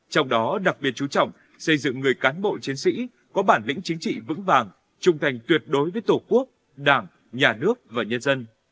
trong đó đặc biệt chú trọng xây dựng người cán bộ chiến sĩ có bản lĩnh chính trị vững vàng trung thành tuyệt đối với tổ quốc đảng nhà nước và nhân dân